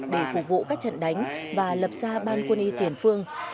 để phục vụ các trận đánh và lập ra ban quân y tiền phương